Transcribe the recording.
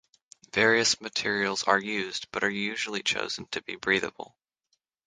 Various materials are used, but are usually chosen to be breathable.